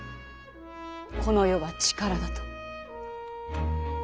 この世は力だと。